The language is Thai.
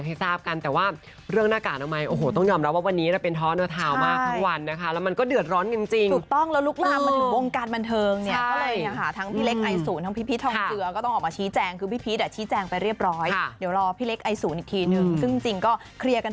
ค่ะทราบว่าเดี๋ยวพี่เล็กจะออกสื่อนะคะมาชี้แจงคลิปทราบกัน